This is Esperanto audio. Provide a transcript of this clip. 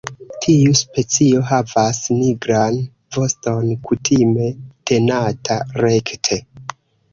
Tiu specio havas nigran voston kutime tenata rekte.